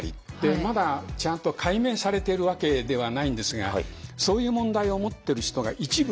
まだちゃんと解明されてるわけではないんですがそういう問題を持ってる人が一部いるんですね。